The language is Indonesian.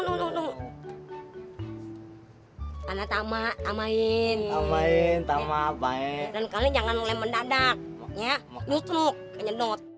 karena tamat amain amain tamat dan kalian jangan lem mendadak ya